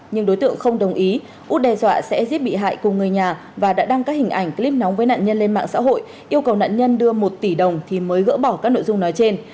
nhưng đối tượng không đồng ý út đe dọa sẽ giết bị hại cùng người nhà và đã đăng các hình ảnh clip nóng với nạn nhân lên mạng xã hội yêu cầu nạn nhân đưa một tỷ đồng thì mới gỡ bỏ các nội dung nói trên